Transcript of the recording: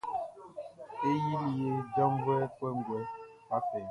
Ye yili ye jaʼnvuɛʼm kɔnguɛ.